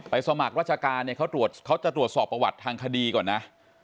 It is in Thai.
สมัครราชการเนี่ยเขาจะตรวจสอบประวัติทางคดีก่อนนะ